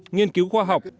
nghiên cứu khoa học